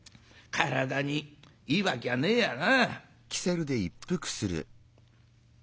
体にいいわきゃねえやな」。